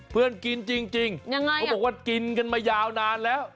เพื่อนกินจริงก็บอกว่ากินกันมายาวนานแล้ว